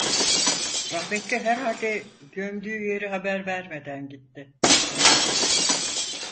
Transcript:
Rahmetli herhalde gömdüğü yeri haber vermeden gitti.